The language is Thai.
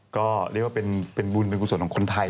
ก็เรียกว่าเป็นบุญเป็นกุศลของคนไทย